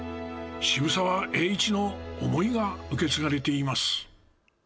渋沢栄一の思いが受け継がれています。